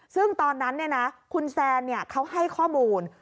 ซึ่งตอนนั้นคุณแซนเขาให้ข้อมูล